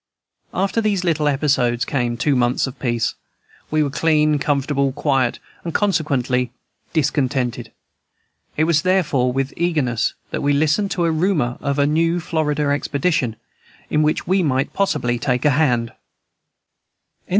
After these little episodes came two months of peace. We were clean, comfortable, quiet, and consequently discontented. It was therefore with eagerness that we listened to a rumor of a new Florida expedition, in which we might possibly take a hand.